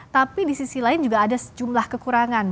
tapi di sisi lain juga ada sejumlah kekurangan